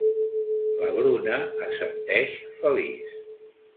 La Bruna assenteix, feliç.